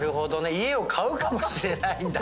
家を買うかもしれないんだね。